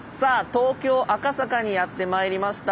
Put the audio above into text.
東京・赤坂にやってまいりました。